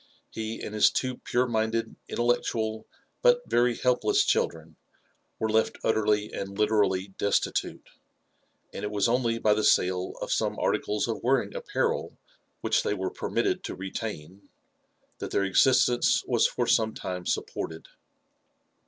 He, and liis two pure minded, intellectual, but yery helpless children, were left utterly and literally destitute* ai\4 it was only by the sale of some articles of wearing apparel which they were permitted to retain, that their existence was for some time supported.